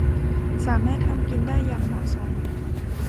สามารถทำกินได้อย่างเหมาะสม